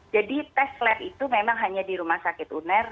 jadi tes lab itu memang hanya di rumah sakit uner